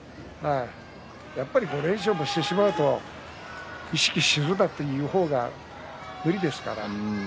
やっぱり５連勝もしてしまうと意識するなという方が無理ですからね。